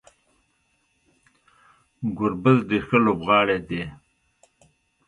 ګربز ډیر ښه لوبغاړی دی